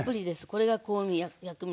これが香味薬味